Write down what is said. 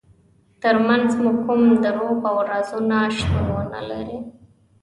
ترمنځ مو کوم دروغ او رازونه شتون ونلري.